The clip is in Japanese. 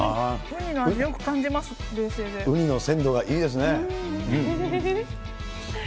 ウニの鮮度がいいですね。